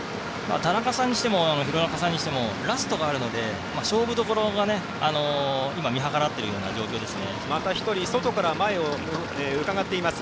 田中さんにしても廣中さんにしてもラストがあるので勝負どころを見計らっている状況ですね。